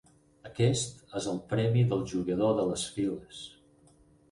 Aquest és el premi del jugador de les files.